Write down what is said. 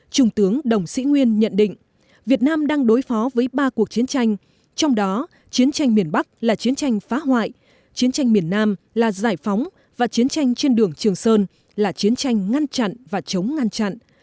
trung tướng đồng sĩ nguyên nhận định việt nam đang đối phó với ba cuộc chiến tranh trong đó chiến tranh miền bắc là chiến tranh phá hoại chiến tranh miền nam là giải phóng và chiến tranh trên đường trường sơn là chiến tranh ngăn chặn và chống ngăn chặn